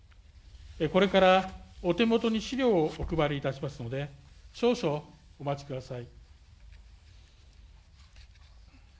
これから、お手元に資料をお配りいたしますので、少々お待ちください。